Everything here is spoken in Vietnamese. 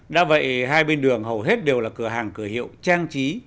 đã vậy hai bên đường hầu hết đều là cửa hàng cửa hiệu trang trí